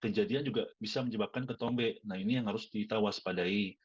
kejadian juga bisa menyebabkan ketombe nah ini yang harus ditawas padai